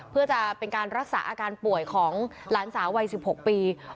เพื่อจะเป็นการรักษาอาการป่วยของหลานสาววัย๑๖ปี